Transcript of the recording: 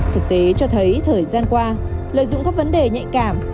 thực tế cho thấy thời gian qua lợi dụng các vấn đề nhạy cảm